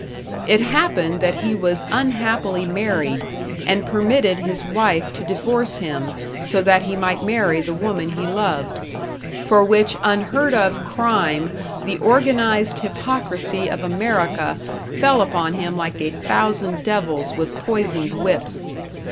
It happened that he was unhappily married, and permitted his wife to divorce him so that he might marry the woman he loved; for which unheard of crime the organized hypocrisy of America fell upon him like a thousand devils with poisoned whips.